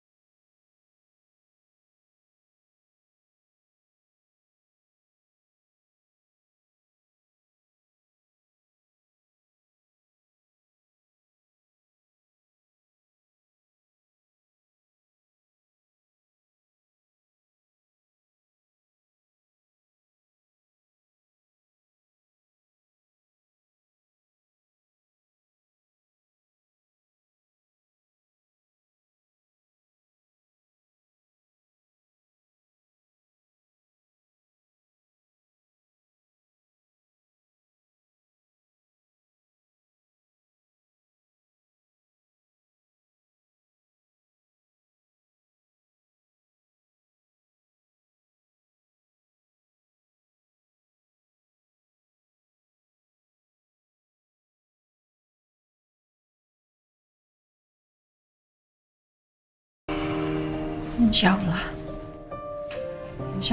di sini di awas